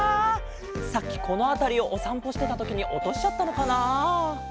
さっきこのあたりをおさんぽしてたときにおとしちゃったのかな。